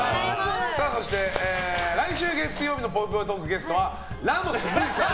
そして、来週月曜日のぽいぽいトークのゲストはラモス瑠偉さん。